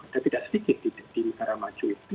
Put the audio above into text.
tapi tidak sedikit di negara maju ini